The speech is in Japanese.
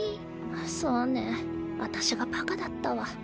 そうね私がバカだったわ。